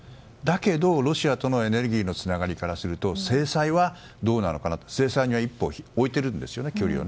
だけどロシアとのエネルギーのつながりからすると制裁はどうなのかなと、制裁には一歩、距離を置いているんです。